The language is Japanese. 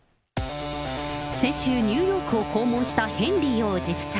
先週、ニューヨークを訪問したヘンリー王子夫妻。